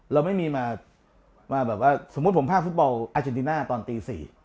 เราไม่มีมาแบบว่าสมมุติผมภาคฟุตบอลอาเจนติน่าตอนตี๔